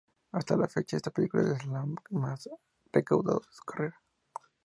Hasta la fecha, esta película es la que más ha recaudado de su carrera.